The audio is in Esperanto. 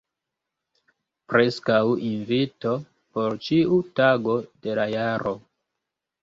Preskaŭ invito por ĉiu tago de la jaro.